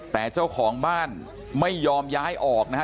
แต่เจ้าของบ้านไม่ยอมย้ายออกนะฮะ